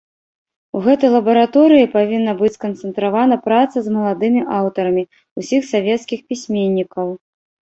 У гэтай лабараторыі павінна быць сканцэнтравана праца з маладымі аўтарамі ўсіх савецкіх пісьменнікаў.